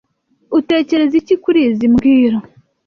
Utekereza iki kurizoi mbwira